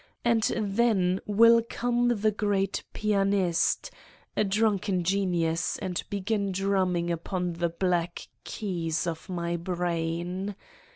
And then will oome the great pianist, a drunken genius, and 82 Satan's Diary begin drumming upon the black keys of my brain.